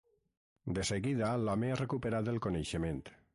De seguida, l’home ha recuperat el coneixement.